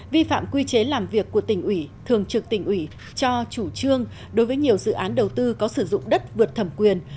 vi phạm quy chế làm việc của tỉnh ủy thường trực tỉnh ủy cho chủ trương đối với nhiều dự án đầu tư có sử dụng đất vượt thẩm quyền